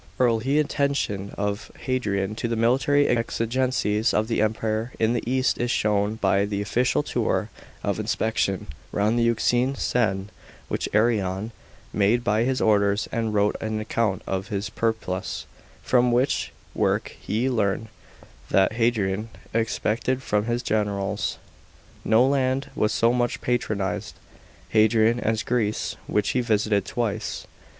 rl he atten tion of Hadrian to the military exigencies of the Empire in the east is shown by the official tour ot inspection round the Euxine sen, which Arrian made by his orders, and wrote an account of in his PeripluS) from which work we learn what Hadrian expected from his generals. § 16. No land was so much patronised b\ Hadrian as Greece, which he visited twice.